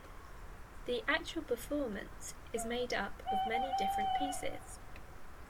The actual performance is made up of many different pieces.